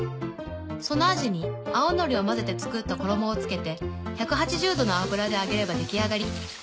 そのアジに青のりを混ぜて作った衣をつけて１８０℃の油で揚げれば出来上がり。